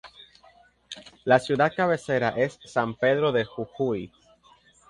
La ciudad cabecera es San Pedro de Jujuy.